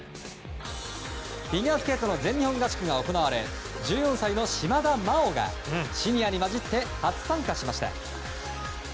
フィギュアスケートの全日本合宿が行われ１４歳の島田麻央がシニアに交じって初参加しました。